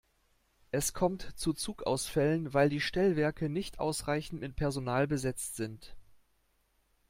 Es kommt zu Zugausfällen, weil die Stellwerke nicht ausreichend mit Personal besetzt sind.